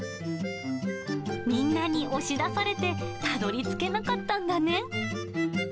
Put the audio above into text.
みんなに押し出されてたどりつけなかったんだね。